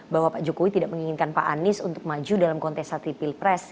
bahwa pak jokowi tidak menginginkan pak anies untuk maju dalam kontestasi pilpres